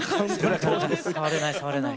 触れない触れない。